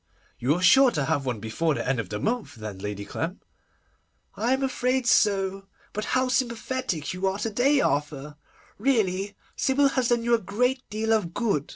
'You are sure to have one before the end of the month then, Lady Clem?' 'I am afraid so. But how sympathetic you are to day, Arthur! Really, Sybil has done you a great deal of good.